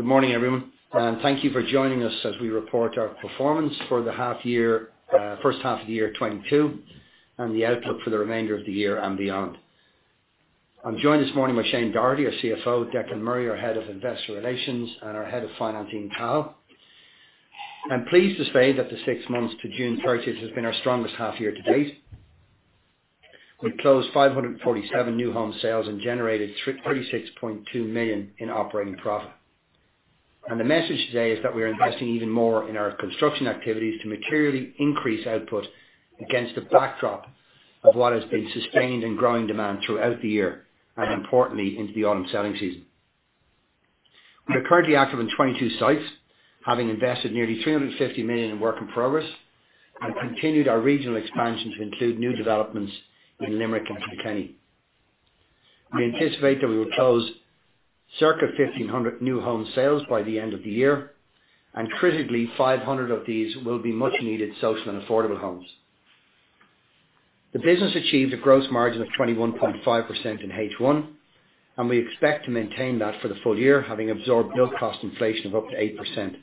Good morning, everyone, and thank you for joining us as we report our performance for the half year, first half of the year 2022, and the outlook for the remainder of the year and beyond. I'm joined this morning by Shane Doherty, our CFO, Declan Murray, our head of investor relations, and our head of financing, Tara. I'm pleased to say that the six months to June thirtieth has been our strongest half year to date. We closed 547 new home sales and generated 36.2 million in operating profit. The message today is that we are investing even more in our construction activities to materially increase output against the backdrop of what has been sustained and growing demand throughout the year, and importantly, into the autumn selling season. We are currently active in 22 sites, having invested nearly 350 million in work in progress, and continued our regional expansion to include new developments in Limerick and Kilkenny. We anticipate that we will close circa 1,500 new home sales by the end of the year, and critically, 500 of these will be much needed social and affordable homes. The business achieved a gross margin of 21.5% in H1, and we expect to maintain that for the full year, having absorbed build cost inflation of up to 8%.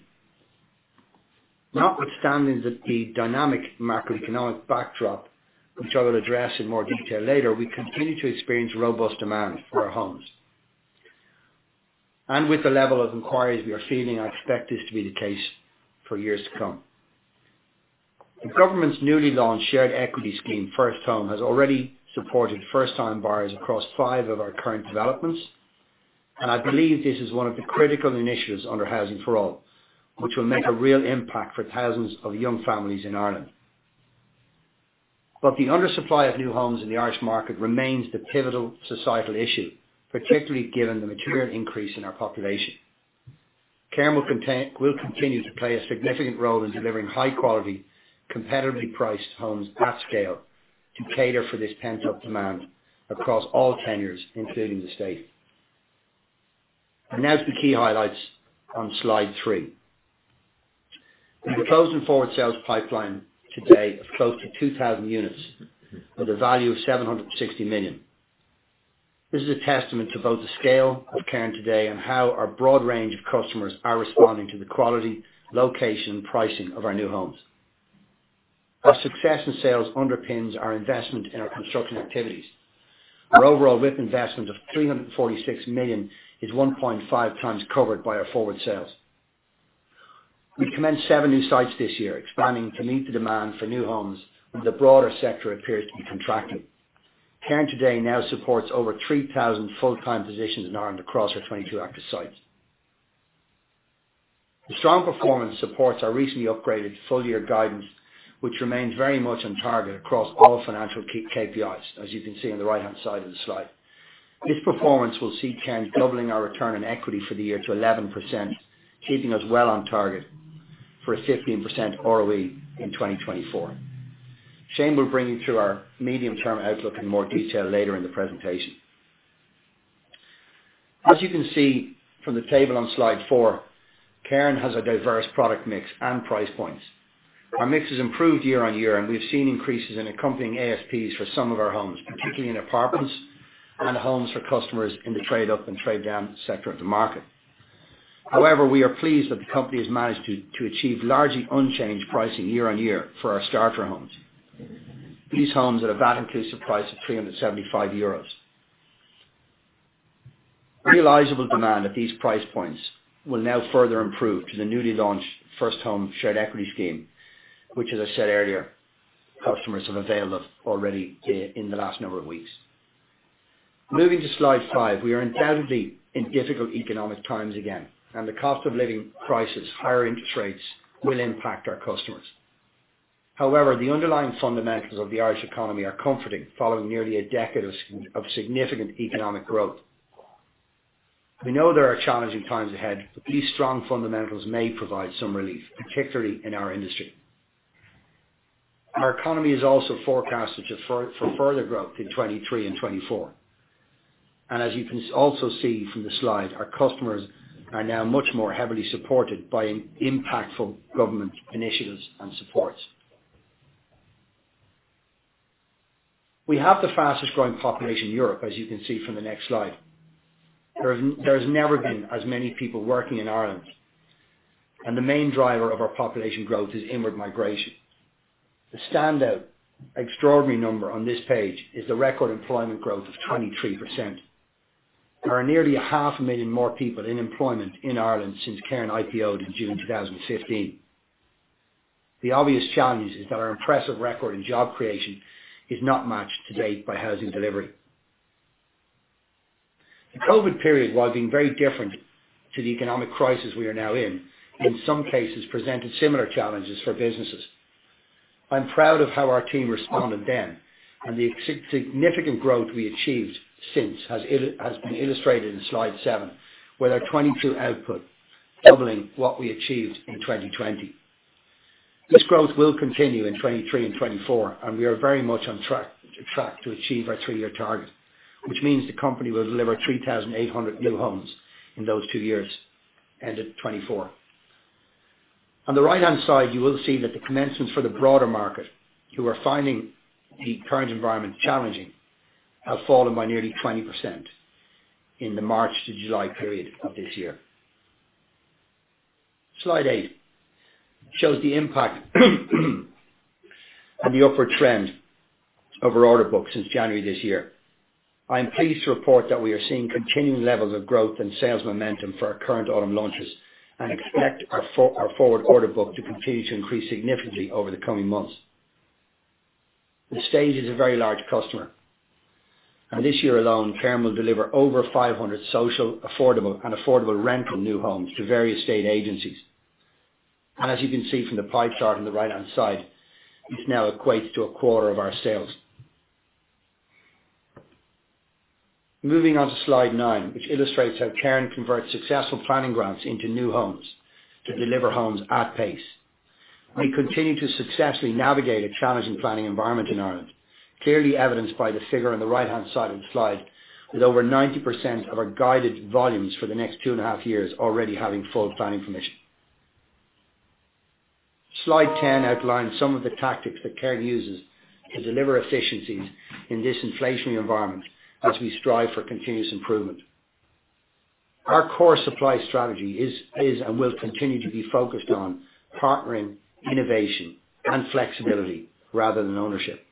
Notwithstanding the dynamic macroeconomic backdrop, which I will address in more detail later, we continue to experience robust demand for our homes. With the level of inquiries we are seeing, I expect this to be the case for years to come. The government's newly launched shared equity scheme, First Home, has already supported first-time buyers across five of our current developments. I believe this is one of the critical initiatives under Housing for All, which will make a real impact for thousands of young families in Ireland. The undersupply of new homes in the Irish market remains the pivotal societal issue, particularly given the material increase in our population. Cairn will continue to play a significant role in delivering high quality, competitively priced homes at scale to cater for this pent-up demand across all tenures, including the state. Now to the key highlights on slide three. With a closed and forward sales pipeline today of close to 2,000 units with a value of 760 million. This is a testament to both the scale of Cairn today and how our broad range of customers are responding to the quality, location, and pricing of our new homes. Our success in sales underpins our investment in our construction activities. Our overall WIP investment of 346 million is 1.5x covered by our forward sales. We commenced seven new sites this year, expanding to meet the demand for new homes when the broader sector appears to be contracting. Cairn today now supports over 3,000 full-time positions in Ireland across our 22 active sites. The strong performance supports our recently upgraded full-year guidance, which remains very much on target across all financial key KPIs, as you can see on the right-hand side of the slide. This performance will see Cairn doubling our return on equity for the year to 11%, keeping us well on target for a 15% ROE in 2024. Shane will bring you through our medium-term outlook in more detail later in the presentation. As you can see from the table on slide four, Cairn has a diverse product mix and price points. Our mix has improved year-over-year, and we've seen increases in accompanying ASPs for some of our homes, particularly in apartments and homes for customers in the trade up and trade down sector of the market. However, we are pleased that the company has managed to achieve largely unchanged pricing year-over-year for our starter homes. These homes at a VAT-inclusive price of 375 euros. Realizable demand at these price points will now further improve to the newly launched First Home shared equity scheme, which as I said earlier, customers have availed of already in the last number of weeks. Moving to slide five, we are undoubtedly in difficult economic times again and the cost of living crisis, higher interest rates will impact our customers. However, the underlying fundamentals of the Irish economy are comforting following nearly a decade of significant economic growth. We know there are challenging times ahead, but these strong fundamentals may provide some relief, particularly in our industry. Our economy is also forecasted to further growth in 2023 and 2024. As you can also see from the slide, our customers are now much more heavily supported by impactful government initiatives and supports. We have the fastest growing population in Europe, as you can see from the next slide. There has never been as many people working in Ireland, and the main driver of our population growth is inward migration. The standout extraordinary number on this page is the record employment growth of 23%. There are nearly 500,000 more people in employment in Ireland since Cairn IPO'd in June 2015. The obvious challenge is that our impressive record in job creation is not matched to date by housing delivery. The COVID period, while being very different to the economic crisis we are now in some cases presented similar challenges for businesses. I'm proud of how our team responded then, and the significant growth we achieved since has been illustrated in slide seven, with our 2022 output doubling what we achieved in 2020. This growth will continue in 2023 and 2024, and we are very much on track to achieve our three-year target, which means the company will deliver 3,800 new homes in those two years, end of 2024. On the right-hand side, you will see that the commencements for the broader market who are finding the current environment challenging have fallen by nearly 20% in the March to July period of this year. Slide eight shows the impact on the upward trend of our order book since January this year. I am pleased to report that we are seeing continuing levels of growth and sales momentum for our current autumn launches, and expect our forward order book to continue to increase significantly over the coming months. The state is a very large customer, and this year alone, Cairn will deliver over 500 social, affordable, and affordable rental new homes to various state agencies. As you can see from the pie chart on the right-hand side, this now equates to a quarter of our sales. Moving on to slide nine, which illustrates how Cairn converts successful planning grants into new homes to deliver homes at pace. We continue to successfully navigate a challenging planning environment in Ireland, clearly evidenced by the figure on the right-hand side of the slide, with over 90% of our guided volumes for the next two and a half years already having full planning permission. Slide 10 outlines some of the tactics that Cairn uses to deliver efficiencies in this inflationary environment as we strive for continuous improvement. Our core supply strategy is and will continue to be focused on partnering, innovation, and flexibility rather than ownership.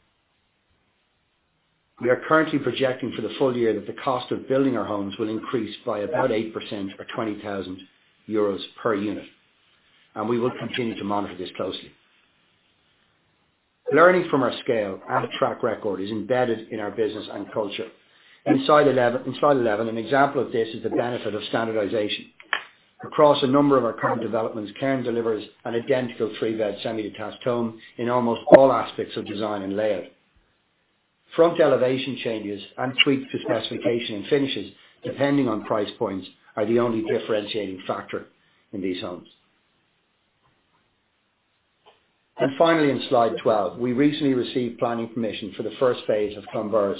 We are currently projecting for the full year that the cost of building our homes will increase by about 8% or 20,000 euros per unit, and we will continue to monitor this closely. Learning from our scale and track record is embedded in our business and culture. In slide eleven, an example of this is the benefit of standardization. Across a number of our current developments, Cairn delivers an identical three-bed semi-detached home in almost all aspects of design and layout. Front elevation changes and tweaks to specification and finishes, depending on price points, are the only differentiating factor in these homes. Finally, in slide 12, we recently received planning permission for the first phase of Clonburris,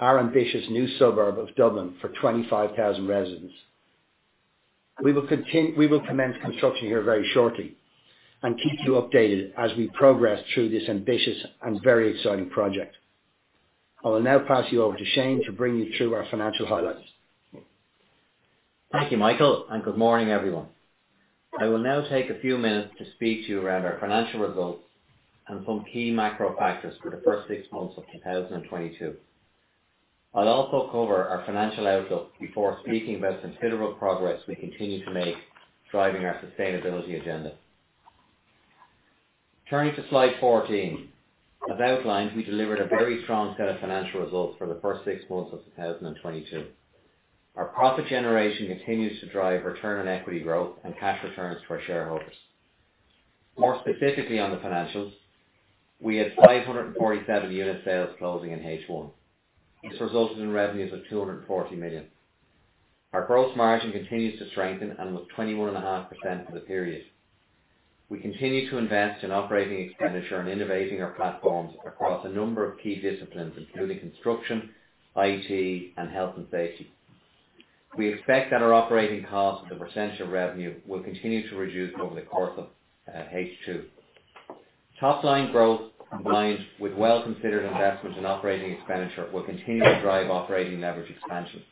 our ambitious new suburb of Dublin for 25,000 residents. We will commence construction here very shortly and keep you updated as we progress through this ambitious and very exciting project. I will now pass you over to Shane to bring you through our financial highlights. Thank you, Michael, and good morning, everyone. I will now take a few minutes to speak to you around our financial results and some key macro factors for the first six months of 2022. I'll also cover our financial outlook before speaking about considerable progress we continue to make driving our sustainability agenda. Turning to slide 14. As outlined, we delivered a very strong set of financial results for the first six months of 2022. Our profit generation continues to drive return on equity growth and cash returns to our shareholders. More specifically on the financials, we had 547 unit sales closing in H1. This resulted in revenues of 240 million. Our gross margin continues to strengthen and was 21.5% for the period. We continue to invest in operating expenditure and innovating our platforms across a number of key disciplines, including construction, IT, and health and safety. We expect that our operating costs as a percentage of revenue will continue to reduce over the course of H2. Topline growth combined with well-considered investment in operating expenditure will continue to drive operating leverage expansion.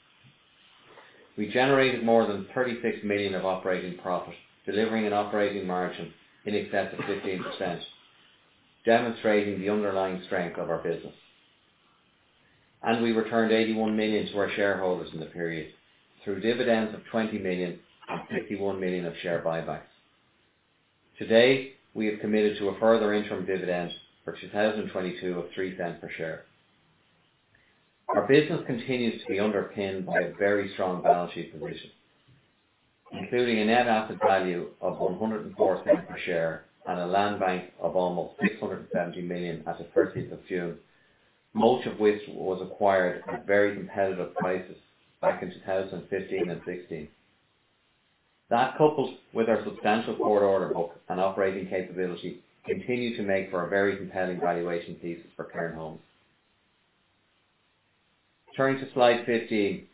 We generated more than 36 million of operating profit, delivering an operating margin in excess of 15%, demonstrating the underlying strength of our business. We returned 81 million to our shareholders in the period through dividends of 20 million and 51 million of share buybacks. Today, we have committed to a further interim dividend for 2022 of 0.03 per share. Our business continues to be underpinned by a very strong balance sheet position, including a net asset value of 1.04 per share and a land bank of almost 670 million as of thirtieth of June, most of which was acquired at very competitive prices back in 2015 and 2016. That, coupled with our substantial forward order book and operating capability, continue to make for a very compelling valuation thesis for Cairn Homes. Turning to slide 15.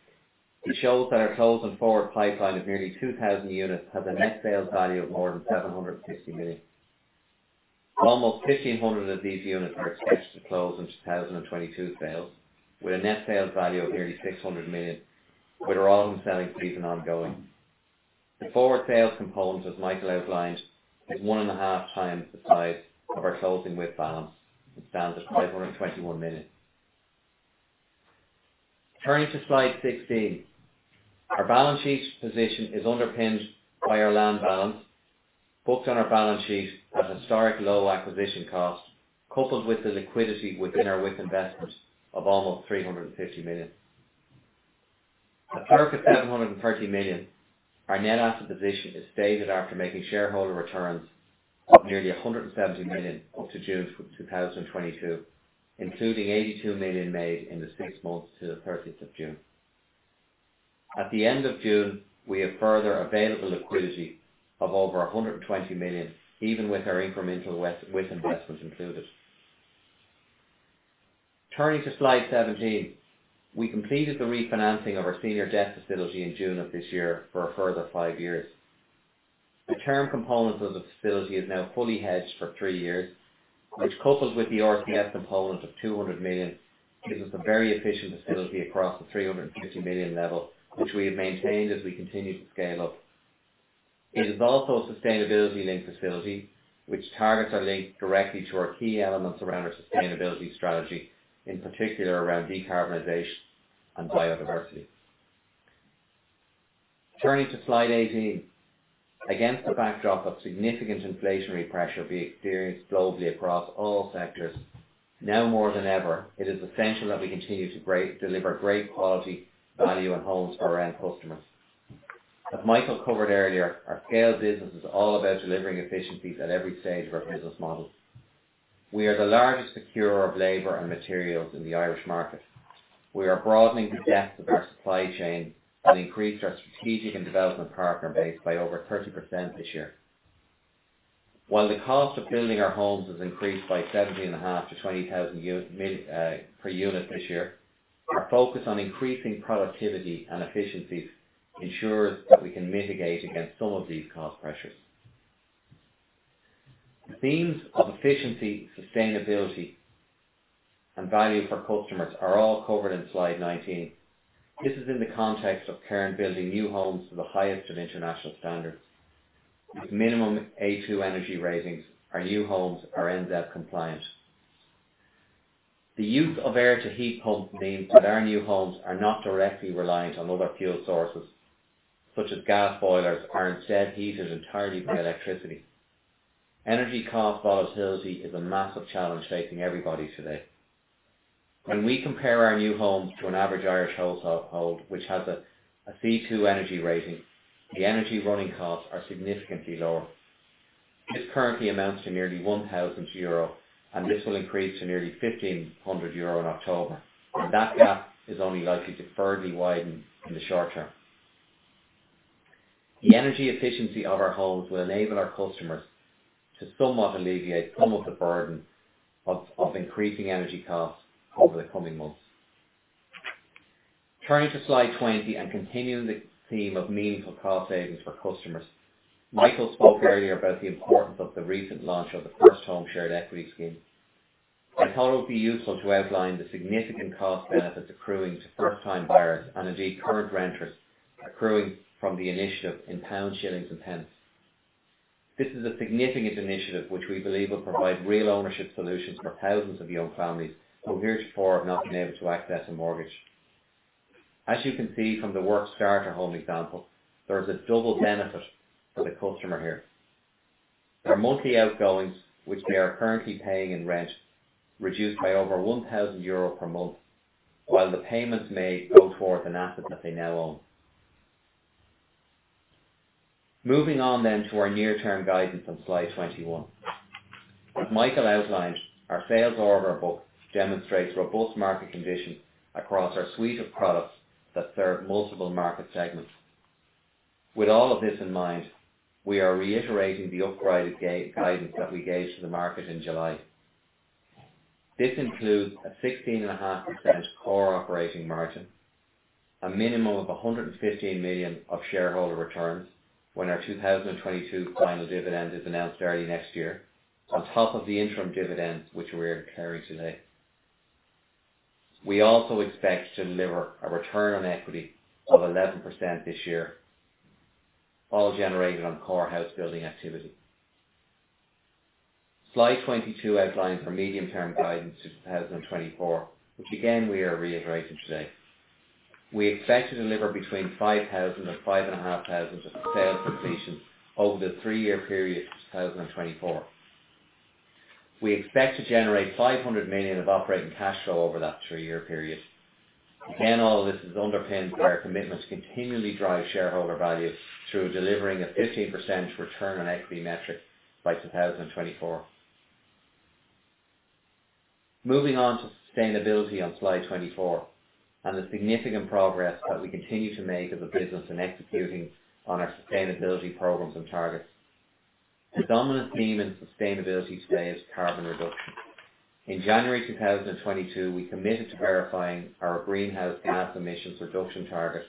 It shows that our closed and forward pipeline of nearly 2,000 units has a net sales value of more than 760 million. Almost 1,500 of these units are expected to close in 2022 sales, with a net sales value of nearly 600 million, with our on-selling season ongoing. The forward sales component, as Michael outlined, is one and a half times the size of our closing WIP balance, which stands at 521 million. Turning to slide 16. Our balance sheet's position is underpinned by our land balance, booked on our balance sheet at historic low acquisition cost, coupled with the liquidity within our WIP investments of almost 350 million. At 730 million, our net asset position is stated after making shareholder returns of nearly 170 million up to June 2022, including 82 million made in the six months to the 30th of June. At the end of June, we have further available liquidity of over 120 million, even with our incremental WIP investments included. Turning to slide 17. We completed the refinancing of our senior debt facility in June of this year for a further five years. The term component of the facility is now fully hedged for three years, which coupled with the RCF component of 200 million, gives us a very efficient facility across the 350 million level, which we have maintained as we continue to scale up. It is also a sustainability-linked facility, whose targets are linked directly to our key elements around our sustainability strategy, in particular around decarbonization and biodiversity. Turning to slide 18. Against the backdrop of significant inflationary pressure being experienced globally across all sectors, now more than ever, it is essential that we continue to deliver great quality, value, and homes for our end customers. As Michael covered earlier, our scale business is all about delivering efficiencies at every stage of our business model. We are the largest procurer of labor and materials in the Irish market. We are broadening the depth of our supply chain and increased our strategic and development partner base by over 30% this year. While the cost of building our homes has increased by 17,500-20,000 per unit this year, our focus on increasing productivity and efficiencies ensures that we can mitigate against some of these cost pressures. The themes of efficiency, sustainability, and value for customers are all covered in slide 19. This is in the context of currently building new homes to the highest of international standards. With minimum A2 energy ratings, our new homes are NZEB compliant. The use of air to heat pumps means that our new homes are not directly reliant on other fuel sources, such as gas boilers, are instead heated entirely by electricity. Energy cost volatility is a massive challenge facing everybody today. When we compare our new homes to an average Irish household, which has a C2 energy rating, the energy running costs are significantly lower. This currently amounts to nearly 1,000 euro, and this will increase to nearly 1,500 euro in October. That gap is only likely to further widen in the short term. The energy efficiency of our homes will enable our customers to somewhat alleviate some of the burden of increasing energy costs over the coming months. Turning to slide 20 and continuing the theme of meaningful cost savings for customers. Michael spoke earlier about the importance of the recent launch of the First Home Scheme. I thought it would be useful to outline the significant cost benefits accruing to first-time buyers and indeed current renters accruing from the initiative in pounds, shillings, and pence. This is a significant initiative which we believe will provide real ownership solutions for thousands of young families who heretofore have not been able to access a mortgage. As you can see from our starter home example, there is a double benefit for the customer here. Their monthly outgoings, which they are currently paying in rent, reduced by over 1,000 euro per month, while the payments made go towards an asset that they now own. Moving on to our near-term guidance on slide 21. As Michael outlined, our sales order book demonstrates robust market conditions across our suite of products that serve multiple market segments. With all of this in mind, we are reiterating the upgraded guidance that we gave to the market in July. This includes a 16.5% core operating margin, a minimum of 115 million of shareholder returns when our 2022 final dividend is announced early next year, on top of the interim dividends which we're declaring today. We also expect to deliver a return on equity of 11% this year, all generated on core house building activity. Slide 22 outlines our medium-term guidance to 2024, which again, we are reiterating today. We expect to deliver between 5,000 and 5,500 of sales completions over the three-year period to 2024. We expect to generate 500 million of operating cash flow over that three-year period. Again, all this is underpinned by our commitment to continually drive shareholder value through delivering a 15% return on equity metric by 2024. Moving on to sustainability on slide 24, and the significant progress that we continue to make as a business in executing on our sustainability programs and targets. The dominant theme in sustainability today is carbon reduction. In January 2022, we committed to verifying our greenhouse gas emissions reduction target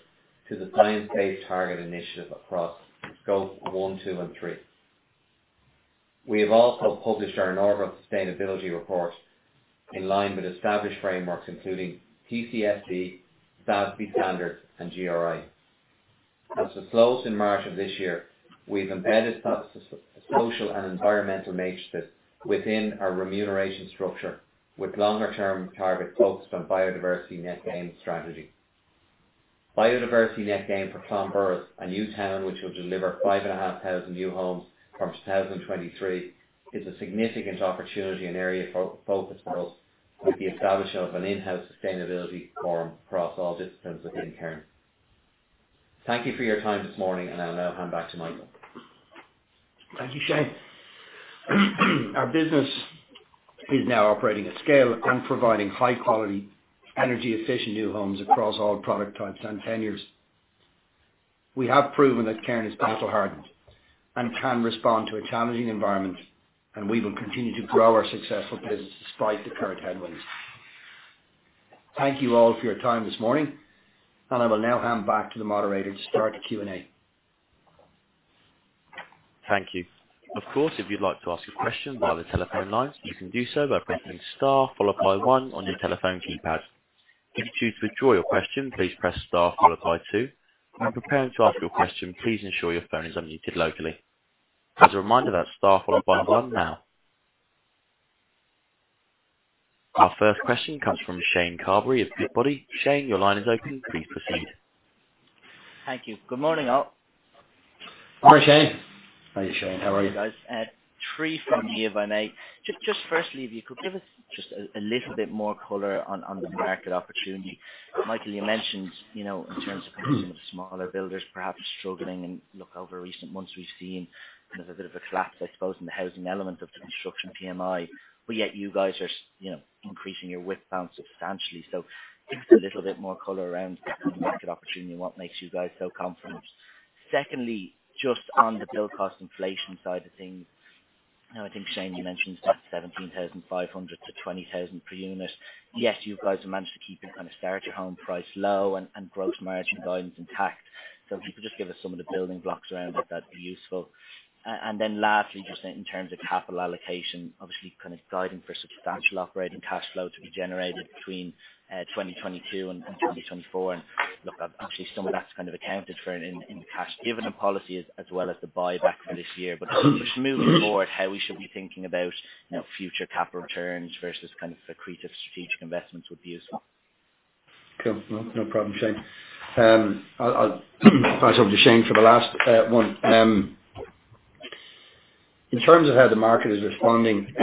to the Science Based Targets initiative across scope one, two, and three. We have also published our annual sustainability report in line with established frameworks, including TCFD, SASB Standards and GRI. As disclosed in March of this year, we've embedded ESG, social and environmental metrics within our remuneration structure, with longer term targets focused on biodiversity net gain strategy. Biodiversity net gain for Clonburris, a new town which will deliver 5,500 new homes from 2023, is a significant opportunity and area of focus for us with the establishment of an in-house sustainability forum across all disciplines within Cairn. Thank you for your time this morning, and I'll now hand back to Michael. Thank you, Shane. Our business is now operating at scale and providing high quality, energy efficient new homes across all product types and tenures. We have proven that Cairn is battle hardened and can respond to a challenging environment, and we will continue to grow our successful business despite the current headwinds. Thank you all for your time this morning, and I will now hand back to the moderator to start the Q&A. Thank you. Of course, if you'd like to ask a question via the telephone line, you can do so by pressing star followed by one on your telephone keypad. If you choose to withdraw your question, please press star followed by two. When preparing to ask your question, please ensure your phone is unmuted locally. As a reminder, that's star followed by one now. Our first question comes from Shane Carberry of Goodbody. Shane, your line is open. Please proceed. Thank you. Good morning all. Morning, Shane. How are you, Shane? How are you? Hey guys. Three from me if I may. Just firstly, if you could give us just a little bit more color on the market opportunity. Michael, you mentioned, you know, in terms of perhaps some of the smaller builders perhaps struggling and look over recent months we've seen kind of a bit of a collapse, I suppose, in the housing element of the construction PMI, but yet you guys are, you know, increasing your width bound substantially. Just a little bit more color around the market opportunity and what makes you guys so confident. Secondly, just on the build cost inflation side of things. Now I think Shane, you mentioned that 17,500-20,000 per unit. Yes, you guys have managed to keep your kind of starter home price low and gross margin guidance intact. If you could just give us some of the building blocks around it, that'd be useful. Then lastly, just in terms of capital allocation, obviously kind of guiding for substantial operating cash flow to be generated between 2022 and 2024, and look, actually some of that's kind of accounted for in the cash dividend policy as well as the buyback for this year. Just moving forward, how we should be thinking about, you know, future capital returns versus kind of accretive strategic investments would be useful. Cool. No problem, Shane. I'll pass over to Shane for the last one. In terms of how the market is responding,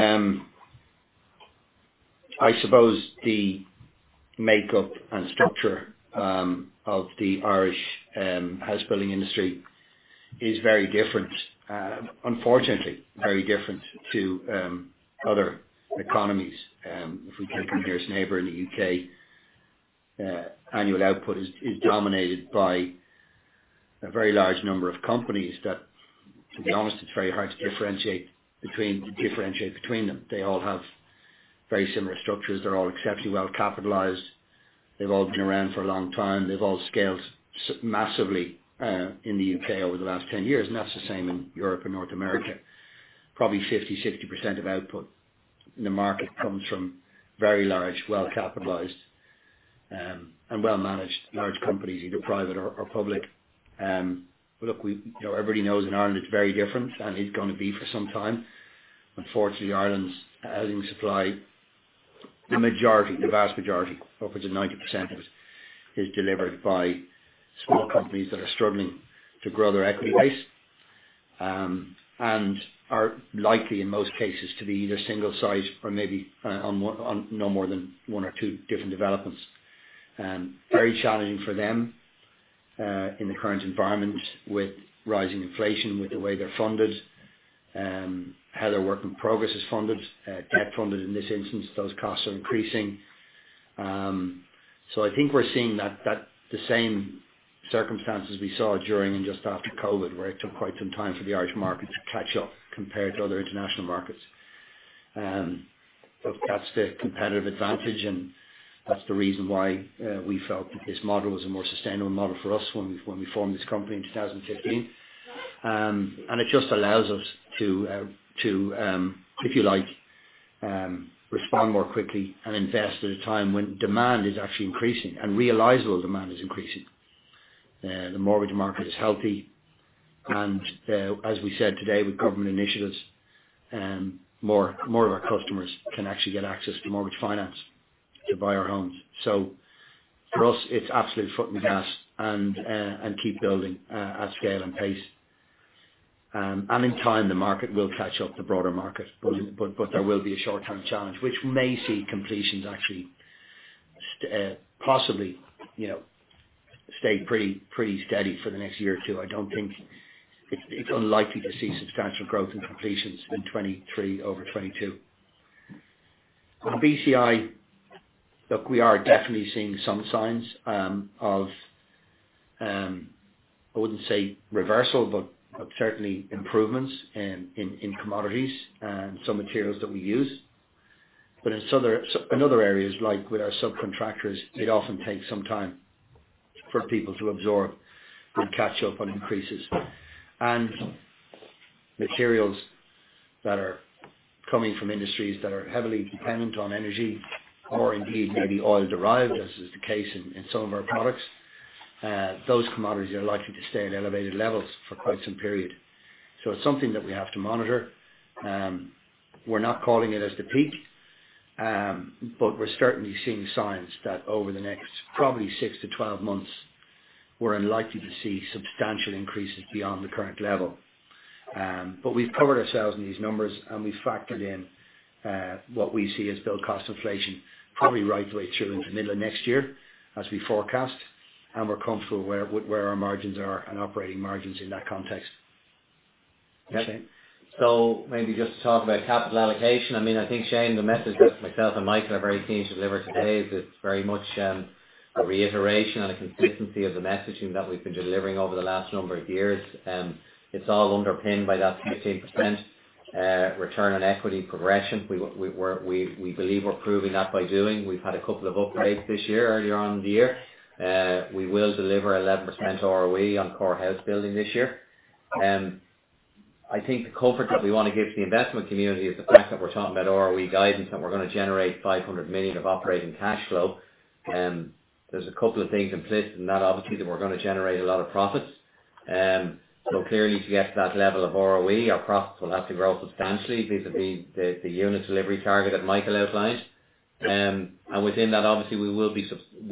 I suppose the makeup and structure of the Irish house building industry is very different. Unfortunately, very different to other economies. If we take our nearest neighbor in the U.K., annual output is dominated by a very large number of companies that, to be honest, it's very hard to differentiate between them. They all have very similar structures. They're all exceptionally well capitalized. They've all been around for a long time. They've all scaled massively in the U.K. over the last 10 years, and that's the same in Europe and North America. Probably 50%-60% of output in the market comes from very large, well capitalized, and well-managed large companies, either private or public. Look, we, you know, everybody knows in Ireland it's very different, and is gonna be for some time. Unfortunately, Ireland's housing supply, the majority, the vast majority, upwards of 90% of it is delivered by small companies that are struggling to grow their equity base, and are likely, in most cases, to be either single site or maybe on no more than one or two different developments. Very challenging for them in the current environment with rising inflation, with the way they're funded, how their work in progress is funded, debt funded in this instance, those costs are increasing. I think we're seeing that the same circumstances we saw during and just after COVID, where it took quite some time for the Irish market to catch up compared to other international markets. That's the competitive advantage and that's the reason why we felt that this model was a more sustainable model for us when we formed this company in 2015. It just allows us to, if you like, respond more quickly and invest at a time when demand is actually increasing and realizable demand is increasing. The mortgage market is healthy and, as we said today with government initiatives, more of our customers can actually get access to mortgage finance to buy our homes. For us it's absolutely foot on the gas and keep building at scale and pace. In time the market will catch up, the broader market. There will be a short-term challenge which may see completions actually possibly, you know, stay pretty steady for the next year or two. I don't think it's unlikely to see substantial growth in completions in 2023 over 2022. On BCI, look, we are definitely seeing some signs of I wouldn't say reversal, but certainly improvements in commodities and some materials that we use. In other areas, like with our subcontractors, it often takes some time for people to absorb and catch up on increases. Materials that are coming from industries that are heavily dependent on energy or indeed may be oil derived, as is the case in some of our products, those commodities are likely to stay at elevated levels for quite some period. It's something that we have to monitor. We're not calling it as the peak, but we're certainly seeing signs that over the next probably six to 12 months, we're unlikely to see substantial increases beyond the current level. We've covered ourselves in these numbers and we've factored in what we see as build cost inflation probably right the way through into middle of next year as we forecast and we're comfortable where our margins are and operating margins in that context. Maybe just to talk about capital allocation. I mean, I think, Shane, the message that myself and Michael are very keen to deliver today is it's very much a reiteration on a consistency of the messaging that we've been delivering over the last number of years. It's all underpinned by that 15% return on equity progression. We believe we're proving that by doing. We've had a couple of upgrades this year, earlier on in the year. We will deliver 11% ROE on core house building this year. I think the comfort that we wanna give to the investment community is the fact that we're talking about ROE guidance, and we're gonna generate 500 million of operating cash flow. There's a couple of things implicit in that, obviously, that we're gonna generate a lot of profits. Clearly, to get to that level of ROE, our profits will have to grow substantially vis-à-vis the unit delivery target that Michael outlined. Within that, obviously, we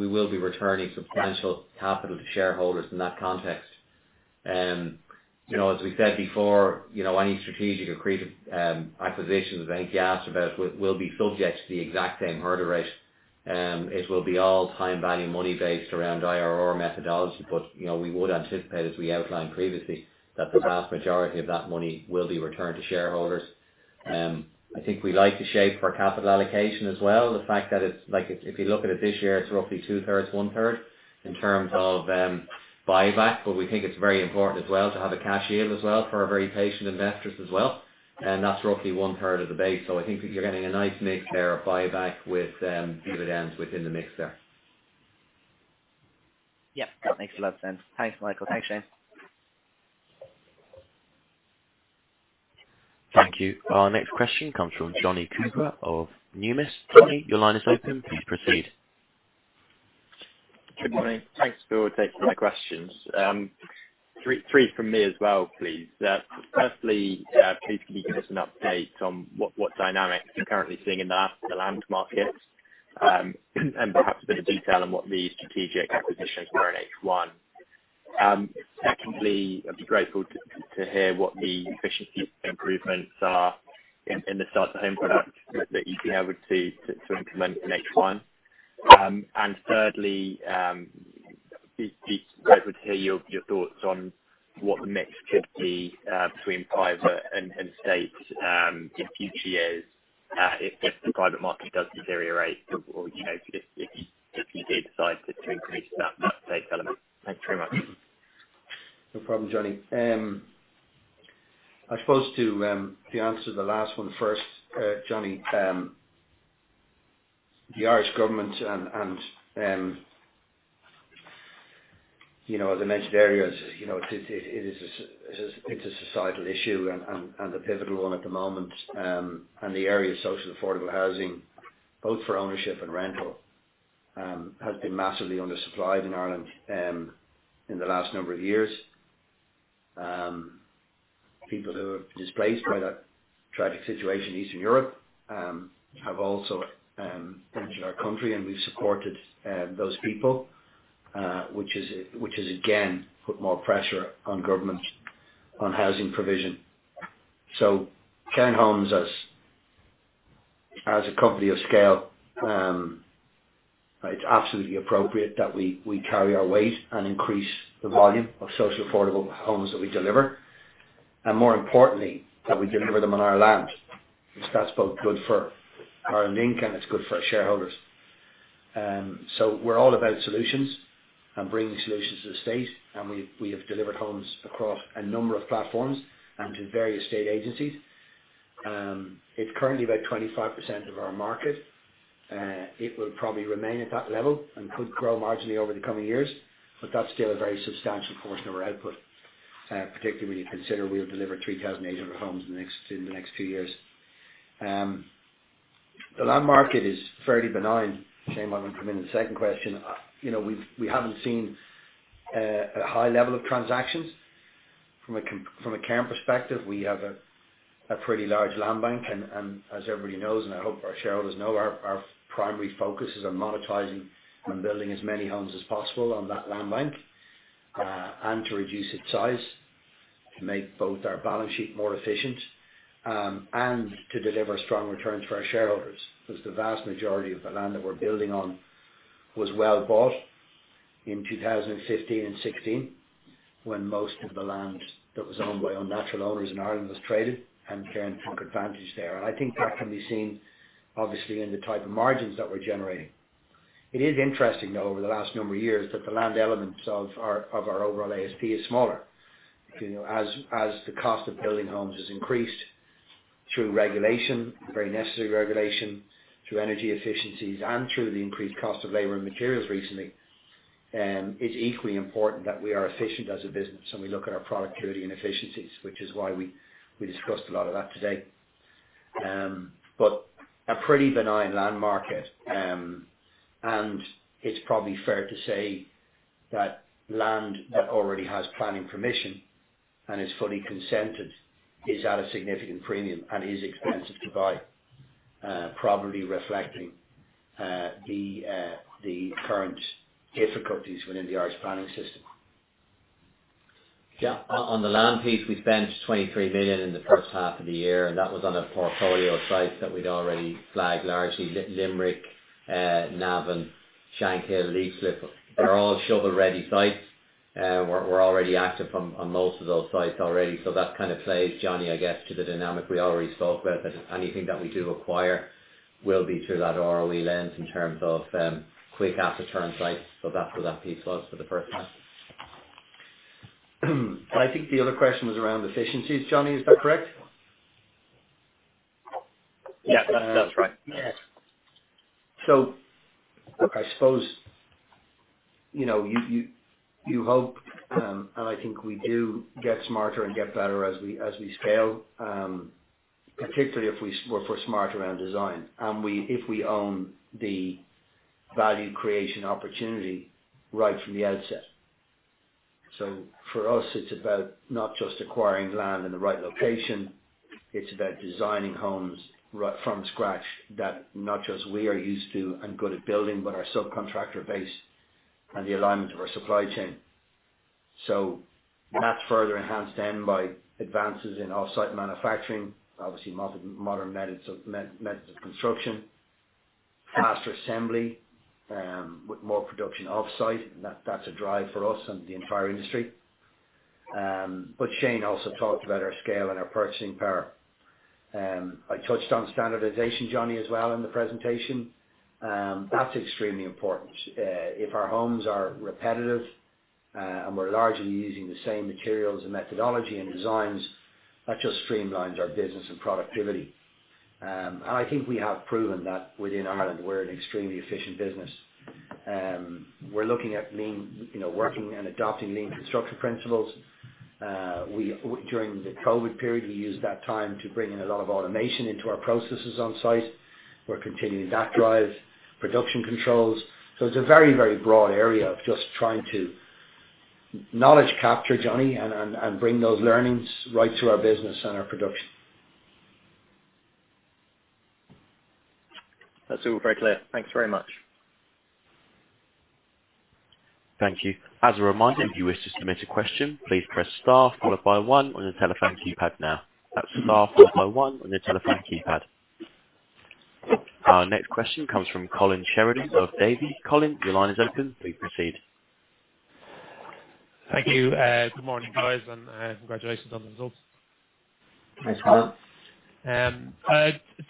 will be returning substantial capital to shareholders in that context. You know, as we said before, you know, any strategic accretive acquisitions that anybody asks about will be subject to the exact same hurdle rate. It will be time value of money based around IRR methodology, but you know, we would anticipate, as we outlined previously, that the vast majority of that money will be returned to shareholders. I think we like the shape for capital allocation as well. The fact that it's like, if you look at it this year, it's roughly 2/3, 1/3 in terms of buyback. We think it's very important as well to have a cash yield as well for our very patient investors as well, and that's roughly 1/3 of the base. I think you're getting a nice mix there of buyback with dividends within the mix there. Yeah. That makes a lot of sense. Thanks, Michael. Thanks, Shane. Thank you. Our next question comes from Jonny Coubrough of Numis. Jonny, your line is open. Please proceed. Good morning. Thanks for taking my questions. Three from me as well, please. Firstly, please can you give us an update on what dynamics you're currently seeing in the land market, and perhaps a bit of detail on what the strategic acquisitions were in H1. Secondly, I'd be grateful to hear what the efficiency improvements are in the starter home product that you've been able to implement in H1. Thirdly, be grateful to hear your thoughts on what the mix could be between private and state in future years, if the private market does deteriorate or, you know, if you did decide to increase that state element. Thanks very much. No problem, Jonny. I suppose to answer the last one first, Jonny. The Irish government and you know, as I mentioned earlier, you know, it is a societal issue and a pivotal one at the moment. The area of social affordable housing, both for ownership and rental, has been massively undersupplied in Ireland, in the last number of years. People who have been displaced by that tragic situation in Eastern Europe have also entered our country, and we've supported those people, which has again put more pressure on government, on housing provision. Cairn Homes as a company of scale, it's absolutely appropriate that we carry our weight and increase the volume of social affordable homes that we deliver, and more importantly, that we deliver them on our land. That's both good for our land, and it's good for our shareholders. We're all about solutions and bringing solutions to the state, and we have delivered homes across a number of platforms and to various state agencies. It's currently about 25% of our market. It will probably remain at that level and could grow marginally over the coming years, but that's still a very substantial portion of our output, particularly when you consider we have delivered 3,800 homes in the next two years. The land market is fairly benign. Shane, why don't you come in on the second question? You know, we haven't seen a high level of transactions. From a Cairn perspective, we have a pretty large land bank and as everybody knows, and I hope our shareholders know, our primary focus is on monetizing and building as many homes as possible on that land bank, and to reduce its size, to make both our balance sheet more efficient, and to deliver strong returns for our shareholders. 'Cause the vast majority of the land that we're building on was well bought in 2015 and 2016 when most of the land that was owned by institutional owners in Ireland was traded, and Cairn took advantage there. I think that can be seen obviously in the type of margins that we're generating. It is interesting, though, over the last number of years that the land elements of our overall ASP is smaller. You know, as the cost of building homes has increased through regulation, very necessary regulation, through energy efficiencies and through the increased cost of labor and materials recently, it's equally important that we are efficient as a business and we look at our productivity and efficiencies, which is why we discussed a lot of that today. A pretty benign land market, and it's probably fair to say that land that already has planning permission and is fully consented is at a significant premium and is expensive to buy, probably reflecting the current difficulties within the Irish planning system. Yeah. On the land piece, we spent 23 million in the first half of the year, and that was on a portfolio of sites that we'd already flagged largely. Limerick, Navan, Shankill, Leixlip, they're all shovel-ready sites. We're already active on most of those sites already, so that kind of plays, Jonny, I guess, to the dynamic we already spoke about. That anything that we do acquire will be through that ROE lens in terms of quick asset turn sites. That's where that piece was for the first half. I think the other question was around efficiencies, Jonny. Is that correct? Yeah. That's right. I suppose, you know, you hope, and I think we do get smarter and get better as we scale, particularly if we're smart around design and if we own the value creation opportunity right from the outset. For us, it's about not just acquiring land in the right location, it's about designing homes right from scratch that not just we are used to and good at building, but our subcontractor base and the alignment of our supply chain. That's further enhanced then by advances in off-site manufacturing, obviously modern methods of construction, faster assembly, with more production off-site. That's a drive for us and the entire industry. Shane also talked about our scale and our purchasing power. I touched on standardization, Jonny, as well in the presentation. That's extremely important. If our homes are repetitive, and we're largely using the same materials and methodology and designs, that just streamlines our business and productivity. I think we have proven that within Ireland, we're an extremely efficient business. We're looking at lean, you know, working and adopting lean construction principles. During the COVID period, we used that time to bring in a lot of automation into our processes on site. We're continuing that drive, production controls. It's a very, very broad area of just trying to knowledge capture, Jonny, and bring those learnings right through our business and our production. That's all very clear. Thanks very much. Thank you. As a reminder, if you wish to submit a question, please press star followed by one on your telephone keypad now. That's star followed by one on your telephone keypad. Our next question comes from Colin Sheridan of Davy. Colin, your line is open. Please proceed. Thank you, good morning, guys, and congratulations on the results. Thanks, Colin.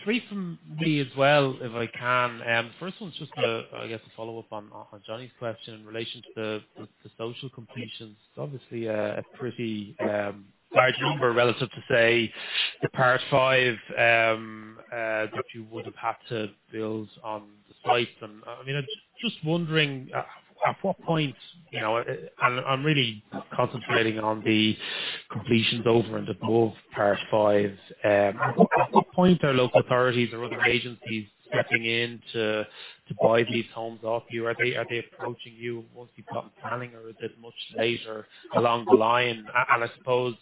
Three from me as well if I can. First one's just a, I guess, a follow-up on Jonny's question in relation to the social completions. Obviously a pretty large number relative to, say, the Part V that you would have had to build on the site. I mean, I'm just wondering at what point, you know, and I'm really concentrating on the completions over and above Part V's, at what point are local authorities or other agencies stepping in to buy these homes off you? Are they approaching you once you've got planning or is it much later along the line? I suppose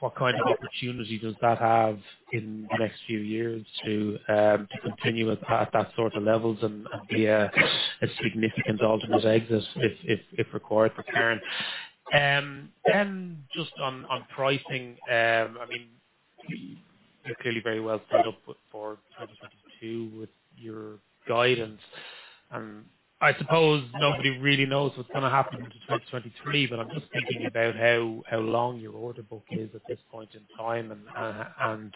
what kind of opportunity does that have in the next few years to continue at that sort of levels and be a significant alternate exit if required for Cairn? Then just on pricing, I mean, you're clearly very well set up for 2022 with your guidance. I suppose nobody really knows what's gonna happen to 2023, but I'm just thinking about how long your order book is at this point in time and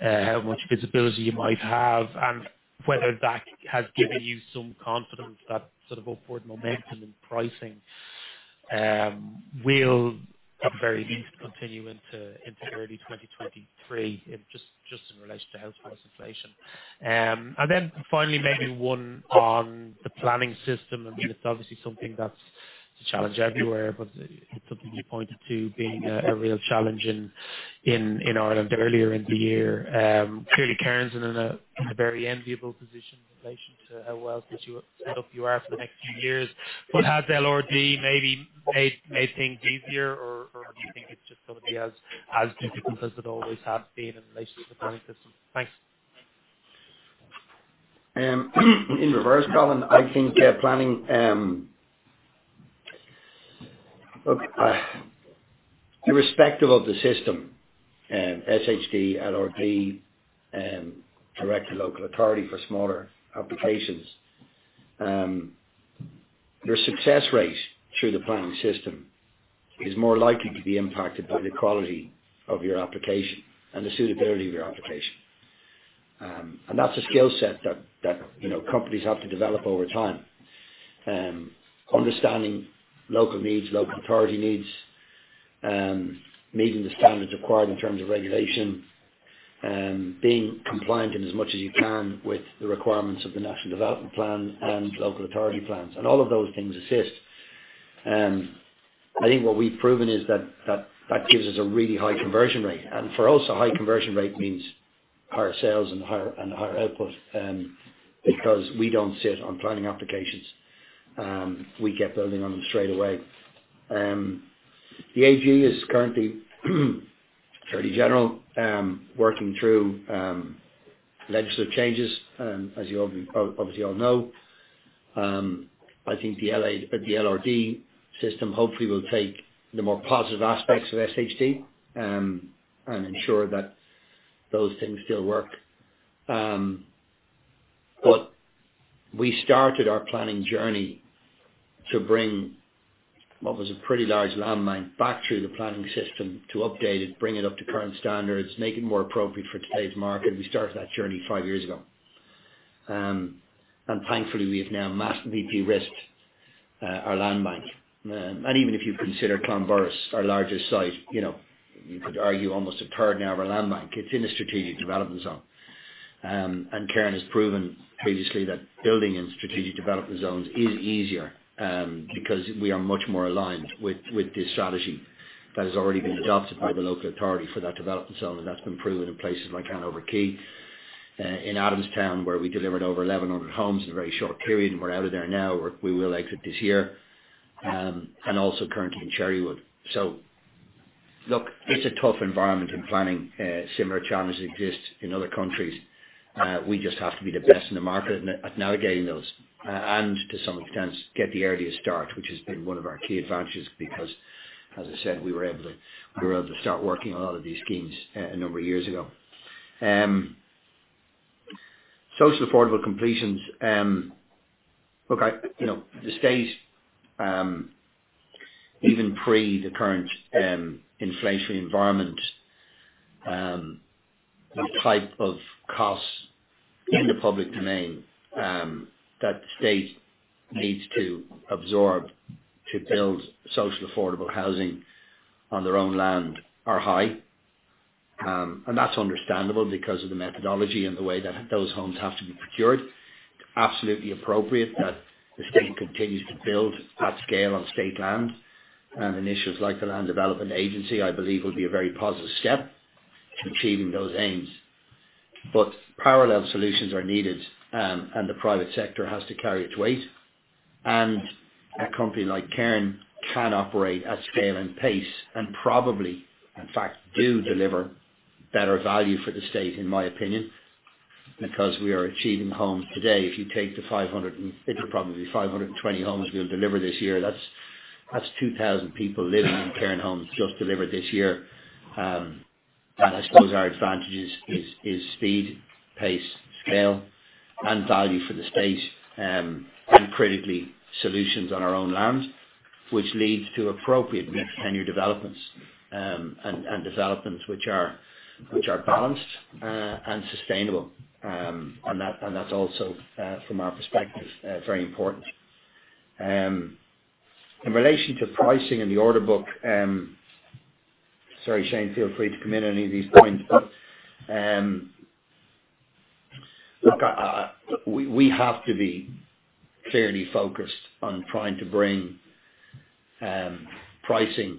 how much visibility you might have and whether that has given you some confidence that sort of upward momentum in pricing will at very least continue into early 2023, if just in relation to house price inflation. Then finally, maybe one on the planning system. I mean, it's obviously something that's a challenge everywhere, but it's something you pointed to being a real challenge in Ireland earlier in the year. Clearly Cairn's in a very enviable position in relation to how well set up you are for the next few years. Has LRD maybe made things easier or do you think it's just gonna be as difficult as it always has been in relation to the planning system? Thanks. In reverse, Colin, I think, yeah, planning, look, irrespective of the system, SHD, LRD, direct to local authority for smaller applications, your success rate through the planning system is more likely to be impacted by the quality of your application and the suitability of your application. That's a skill set that, you know, companies have to develop over time. Understanding local needs, local authority needs, meeting the standards required in terms of regulation, being compliant in as much as you can with the requirements of the National Development Plan and local authority plans, and all of those things assist. I think what we've proven is that that gives us a really high conversion rate. For us, a high conversion rate means higher sales and higher output, because we don't sit on planning applications. We get building on them straight away. The AG is currently Attorney General, working through legislative changes, as you obviously all know. I think the LRD system hopefully will take the more positive aspects of SHD, and ensure that those things still work. We started our planning journey to bring what was a pretty large land bank back through the planning system to update it, bring it up to current standards, make it more appropriate for today's market. We started that journey five years ago. Thankfully we have now massively de-risked our land bank. Even if you consider Clonburris, our largest site, you know, you could argue almost a third now of our land bank, it's in a Strategic Development Zone. Cairn has proven previously that building in strategic development zones is easier, because we are much more aligned with the strategy that has already been adopted by the local authority for that development zone, and that's been proven in places like Hanover Quay, in Adamstown, where we delivered over 1,100 homes in a very short period, and we're out of there now. We will exit this year, and also currently in Cherrywood. Look, it's a tough environment in planning. Similar challenges exist in other countries. We just have to be the best in the market at navigating those, and to some extent get the earliest start, which has been one of our key advantages because as I said, we were able to start working on a lot of these schemes a number of years ago. Social affordable completions. Look, I, you know, the state, even pre the current inflationary environment, the type of costs in the public domain that state needs to absorb to build social affordable housing on their own land are high. That's understandable because of the methodology and the way that those homes have to be procured. Absolutely appropriate that the state continues to build at scale on state land, and initiatives like the Land Development Agency, I believe will be a very positive step to achieving those aims. Parallel solutions are needed, and the private sector has to carry its weight. A company like Cairn can operate at scale and pace and probably, in fact, do deliver better value for the state, in my opinion, because we are achieving homes today. If you take the 520 homes we'll deliver this year, that's 2,000 people living in Cairn Homes just delivered this year. I suppose our advantages is speed, pace, scale and value for the state, and critically solutions on our own land, which leads to appropriate mixed tenure developments, and developments which are balanced and sustainable. That's also from our perspective very important. In relation to pricing in the order book, sorry Shane, feel free to come in on any of these points. Look, we have to be clearly focused on trying to bring pricing,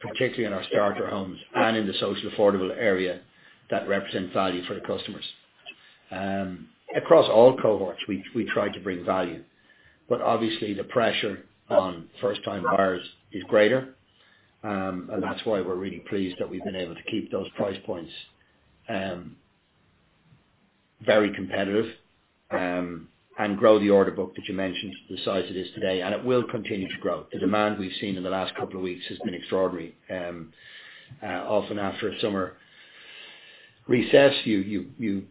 particularly in our starter homes and in the social and affordable area that represents value for the customers. Across all cohorts, we try to bring value, but obviously the pressure on first time buyers is greater, and that's why we're really pleased that we've been able to keep those price points very competitive, and grow the order book that you mentioned to the size it is today, and it will continue to grow. The demand we've seen in the last couple of weeks has been extraordinary. Often after a summer recess,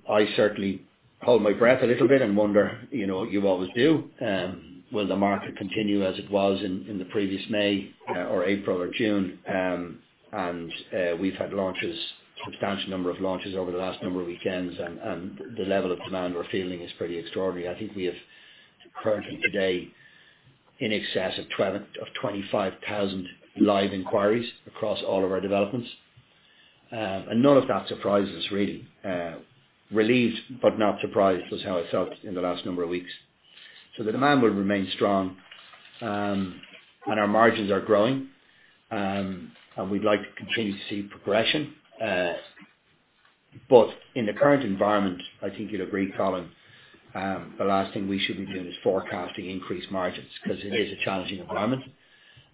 I certainly hold my breath a little bit and wonder, you know, you always do, will the market continue as it was in the previous May, or April or June? We've had launches, substantial number of launches over the last number of weekends, and the level of demand we're feeling is pretty extraordinary. I think we have currently today in excess of 25,000 live inquiries across all of our developments. None of that surprises us really. Relieved but not surprised was how it felt in the last number of weeks. The demand will remain strong, and our margins are growing, and we'd like to continue to see progression. In the current environment, I think you'd agree, Colin, the last thing we should be doing is forecasting increased margins because it is a challenging environment.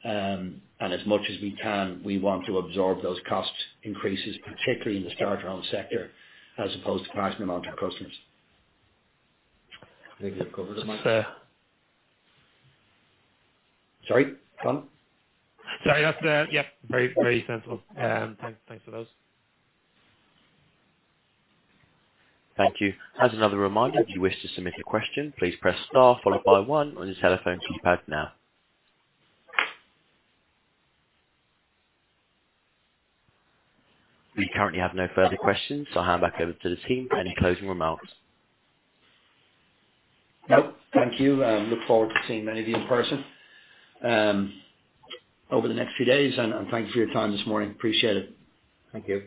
As much as we can, we want to absorb those cost increases, particularly in the starter home sector, as opposed to passing them on to customers. I think that covers it, Mike. Sorry, Colin? Sorry. That's, yeah, very sensible. Thanks for those. Thank you. As another reminder, if you wish to submit a question, please press star followed by one on your telephone keypad now. We currently have no further questions, so I'll hand back over to the team for any closing remarks. Nope. Thank you. Look forward to seeing many of you in person, over the next few days and thank you for your time this morning. Appreciate it. Thank you.